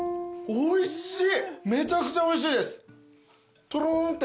おいしい。